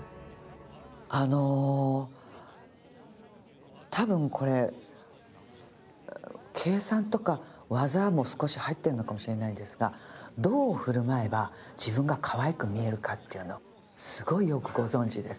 あの多分これ計算とか技も少し入ってるのかもしれないんですがどう振る舞えば自分がかわいく見えるかっていうのをすごいよくご存じです。